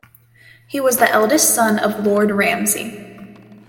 He was the eldest son of Lord Ramsay.